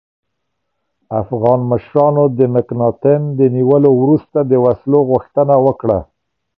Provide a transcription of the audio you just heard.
افغان مشرانو د مکناتن د نیولو وروسته د وسلو غوښتنه وکړه.